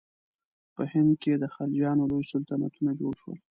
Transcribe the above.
په هند کې د خلجیانو لوی سلطنتونه جوړ شول.